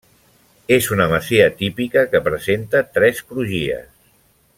És una masia típica que presenta tres crugies.